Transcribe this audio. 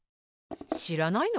しらないの？